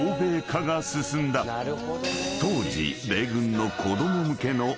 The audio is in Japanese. ［当時］